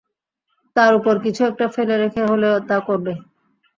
তার উপর কিছু একটা ফেলে রেখে হলেও তা করবে।